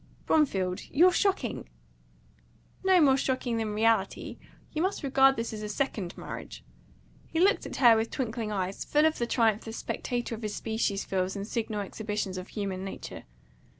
"Bromfield, you're shocking!" "Not more shocking than reality. You may regard this as a second marriage." He looked at her with twinkling eyes, full of the triumph the spectator of his species feels in signal exhibitions of human nature.